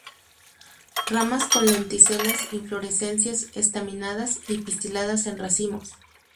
Ramas con lenticelas Inflorescencias estaminadas y pistiladas en racimos.